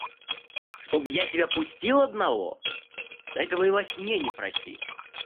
– Чтоб я тебя пустил одного! Да этого и во сне не проси.